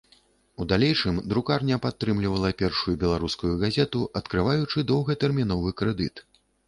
У далейшым друкарня падтрымлівала першую беларускую газету, адкрываючы доўгатэрміновы крэдыт.